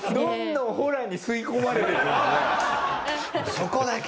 そこだけ！